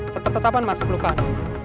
tetap tetapan mas perlukan